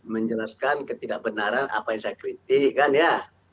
menjelaskan ketidakbenaran apa yang saya kritikkan ya